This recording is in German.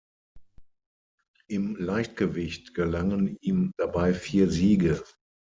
Im Leichtgewicht gelangen ihm dabei vier Siege.